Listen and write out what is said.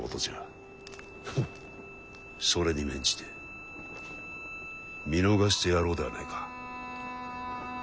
フッそれに免じて見逃してやろうではないか。